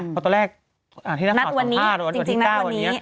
พอตอนแรกที่นัดข่าว๒๕วันวันที่๙วันนี้